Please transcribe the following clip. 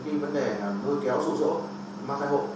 để tiếp cận thực hiện vấn đề môi kéo rủ rộ mang thai hộ